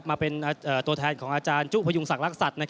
มาเป็นตัวแทนของอาจารย์จุพยุงศักดิ์